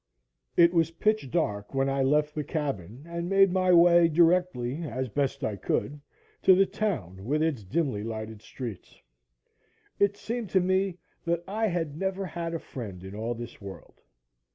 IT WAS pitch dark when I left the cabin and made my way directly, as best I could, to the town with its dimly lighted streets. It seemed to me that I had never had a friend in all this world.